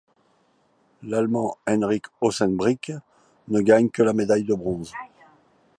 L'allemand Henrik Ossenbrink ne gagne que la médaille de bronze.